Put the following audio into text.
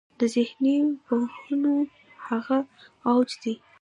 د ذهني پوهنو هغه اوج دی.